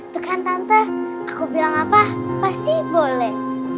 tuh kan tanpa aku bilang apa pasti boleh